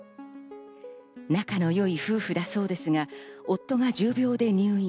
仲の良い夫婦だそうですが、夫が重病で入院。